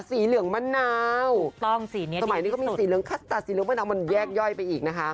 สีเหลืองมะนาวถูกต้องสีนี้สมัยนี้ก็มีสีเหลืองคัสตาสีเหลืองมะนาวมันแยกย่อยไปอีกนะคะ